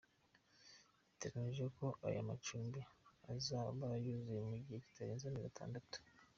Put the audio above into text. Biteganyijwe ko ayo macumbi azaba yuzuye mu gihe kitarenze amezi atandatu.